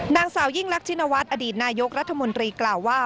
นางสาวยิ่งรักชินวัฒน์อดีตนายกรัฐมนตรีกล่าวว่า